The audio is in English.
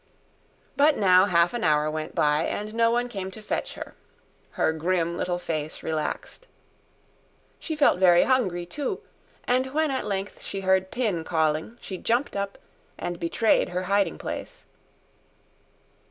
But now half an hour went by and no one came to fetch her: her grim little face relaxed. She felt very hungry, too, and when at length she heard Pin calling, she jumped up and betrayed her hiding place.